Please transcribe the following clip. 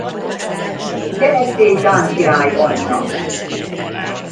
Keresztély dán király anyja.